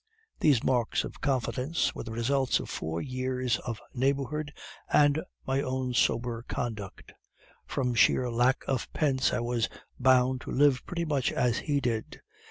These marks of confidence were the results of four years of neighborhood and my own sober conduct. From sheer lack of pence, I was bound to live pretty much as he did.